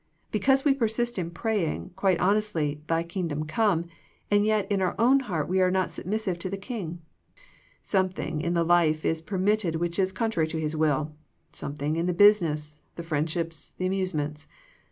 Because we persist in praying, quite honestly, " Thy Kingdom come " and yet in our own heart we are not submissive to the King. Something in the life is permitted which is con trary to His will ; something in the business, the friendships, the amusements.